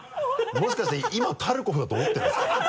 もしかして今タルコフだと思ってますか？